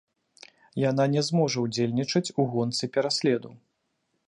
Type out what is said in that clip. Яна не зможа ўдзельнічаць у гонцы пераследу.